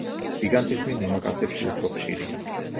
გიგანტიზმი მამაკაცებში უფრო ხშირია.